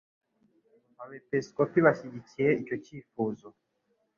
Abepiskopi bashyigikiye icyo cyifuzo.